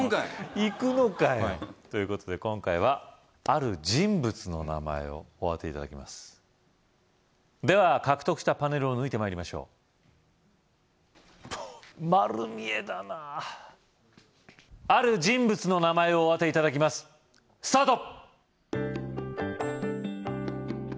行くのかいということで今回はある人物の名前をお当て頂きますでは獲得したパネルを抜いて参りましょう丸見えだなある人物の名前をお当て頂きますスタート